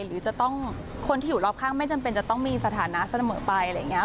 หรือจะต้องคนที่อยู่รอบข้างไม่จำเป็นจะต้องมีสถานะเสมอไปอะไรอย่างนี้